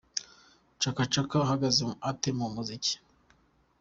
Chaka Chaka ahagaze ate mu muziki?.